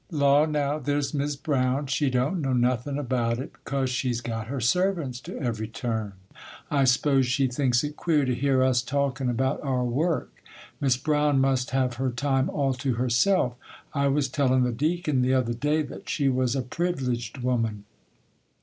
'Law, now, there's Miss Brown, she don't know nothin' about it, 'cause she's got her servants to every turn. I s'pose she thinks it queer to hear us talkin' about our work. Miss Brown must have her time all to herself. I was tellin' the Deacon the other day that she was a privileged woman.